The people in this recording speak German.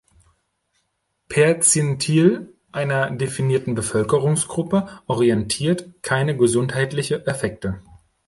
Perzentil einer definierten Bevölkerungsgruppe orientiert, keine gesundheitliche Effekte.